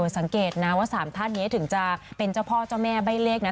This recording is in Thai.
สังเกตนะว่า๓ท่านนี้ถึงจะเป็นเจ้าพ่อเจ้าแม่ใบ้เลขนะ